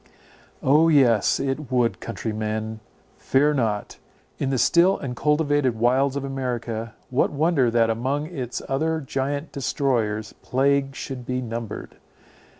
O, yes, it would—Countrymen, fear not! In the still uncultivated wilds of America, what wonder that among its other giant destroyers, plague should be numbered!